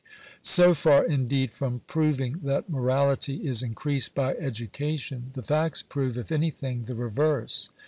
So far indeed from proving that morality is increased by education, the facts prove, if anything, the reverse.